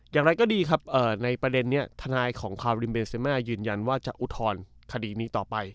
อย่างไรก็ดีครับในประเด็นนี้ทนายของคาริมเบเซมายืนยันว่าจะอุทธรณ์คดีนี้ต่อไป